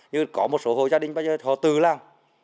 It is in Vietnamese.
nhưng có một số hội gia đình bây giờ họ tự làm